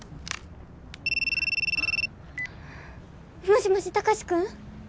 もしもし貴司君！？